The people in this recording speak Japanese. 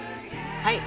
はい！